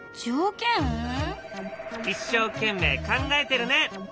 一生懸命考えてるね。